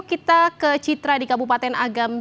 kita ke citra di kabupaten agam